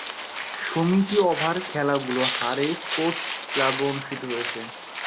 সীমিত ওভারের খেলাগুলো হারারে স্পোর্টস ক্লাবে অনুষ্ঠিত হয়েছে।